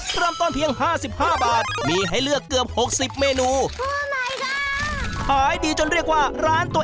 ตั้งต้นเพียง๕๕บาท